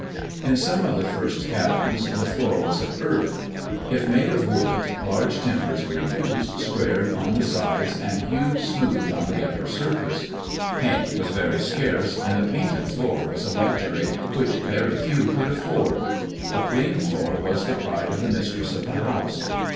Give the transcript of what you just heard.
In some of the first cabins the floor was of earth. If made of wood, large timbers were used, squared on the sides and hewed smooth on the upper surface. Paint was very scarce, and a painted floor was a luxury which very few could afford. A clean floor was the pride of the mistress of the house.